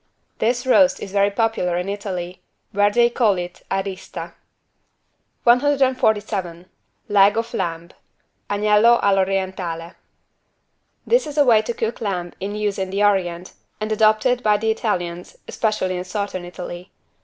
This roast is very popular in Italy, where they call it =arista=. 147 LEG OF LAMB (Agnello all'Orientale) This is a way to cook lamb in use in the Orient and adopted by the Italians, especially in Southern Italy.